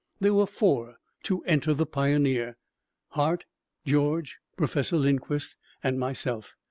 There were four to enter the Pioneer: Hart, George, Professor Lindquist, and myself.